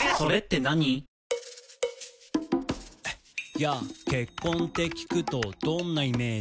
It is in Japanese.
「ＹＡ結婚って聴くとどんなイメージ？」